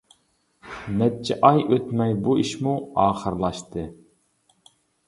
نەچچە ئاي ئۆتمەي بۇ ئىشمۇ ئاخىرلاشتى.